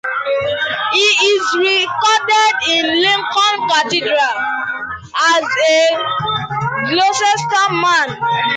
He is recorded in Lincoln Cathedral as a "Gloucester Man".